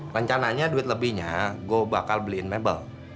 rencananya duit lebihnya gue bakal beliin mebel